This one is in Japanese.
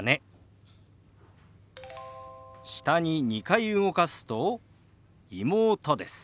下に２回動かすと「妹」です。